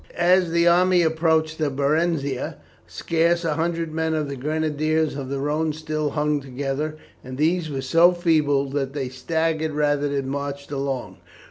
As the army approached the Berezina, scarce a hundred men of the Grenadiers of the Rhone still hung together, and these were so feeble that they staggered rather than marched along.